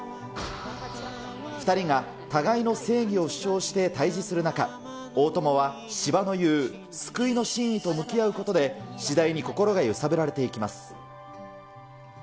２人が互いの正義を主張して対じする中、大友は斯波の言う救いの真意と向き合うことで、次第に心が揺さぶられていきます。